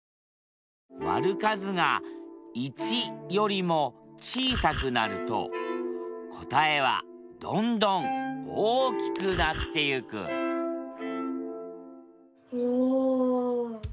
割る数が１よりも小さくなると答えはどんどん大きくなってゆくおお！